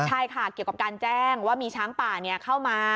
ใช่ค่ะเกี่ยวกับการแจ้งว่ามีช้างป่าเข้ามา